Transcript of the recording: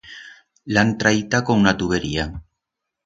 La han traita con una tubería.